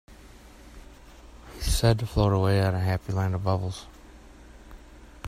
He said to float away to Happy Land on the bubbles.